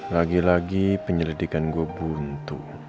lagi lagi penyelidikan gue buntu